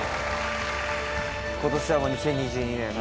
今年は２０２２年